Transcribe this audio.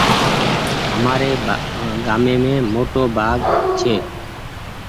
همآري گھاميم موٽو بآگ ڇي